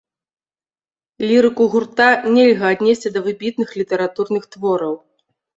Лірыку гурта нельга аднесці да выбітных літаратурных твораў.